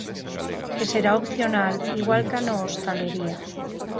Que será opcional, igual ca no hostalería.